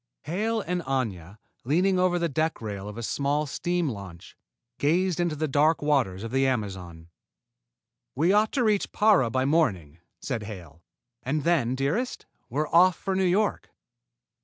Hale and Aña, leaning over the deck rail of a small steam launch, gazed into the dark waters of the Amazon. "We ought to reach Para by morning," said Hale, "and then, dearest, we're off for New York!"